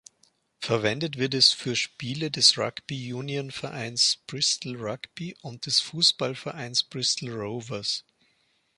Verwendet wird es für Spiele des Rugby-Union-Vereins Bristol Rugby und des Fußballvereins Bristol Rovers.